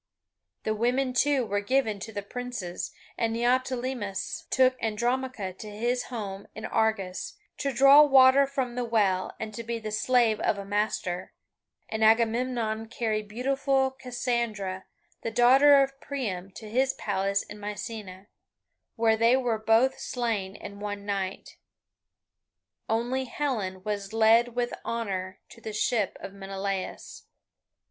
The women, too, were given to the princes, and Neoptolemus took Andromache to his home in Argos, to draw water from the well and to be the slave of a master, and Agamemnon carried beautiful Cassandra, the daughter of Priam, to his palace in Mycenae, where they were both slain in one night. Only Helen was led with honour to the ship of Menelaus.